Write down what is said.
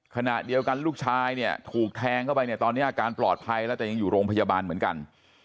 ขณะเดียวกันลูกชายเนี่ยถูกแทงเข้าไปเนี่ยตอนนี้อาการปลอดภัยแล้วแต่ยังอยู่โรงพยาบาลเหมือนกัน